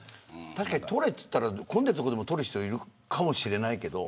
確かに取れといったら混んでいる所でも取る人いるかもしれないけれど。